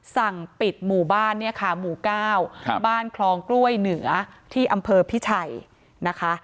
สั่งปิดหมู่บ้านเนี่ยค่ะหมู่๙บ้านคลองกล้วยเหนือที่อำเภอพิชัยนะคะ